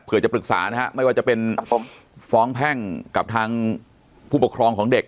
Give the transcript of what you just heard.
เพื่อจะปรึกษานะฮะไม่ว่าจะเป็นฟ้องแพ่งกับทางผู้ปกครองของเด็ก